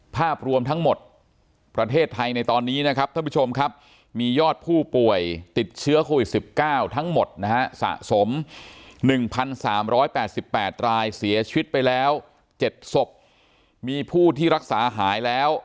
ภาพรวมทั้งหมดประเทศไทยในตอนนี้นะครับท่านผู้ชมครับมียอดผู้ป่วยติดเชื้อโควิด๑๙ทั้งหมดนะฮะสะสม๑๓๘๘รายเสียชีวิตไปแล้ว๗ศพมีผู้ที่รักษาหายแล้ว